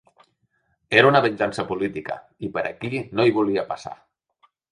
Era una venjança política i per aquí no hi volia passar.